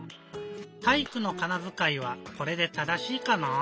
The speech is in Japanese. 「体育」のかなづかいはこれで正しいかな？